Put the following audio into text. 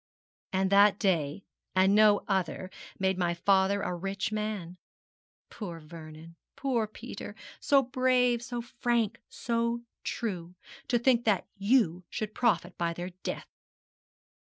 'And that day and no other made my father a rich man. Poor Vernon! poor Peter! so brave, so frank, so true! to think that you should profit by their death!'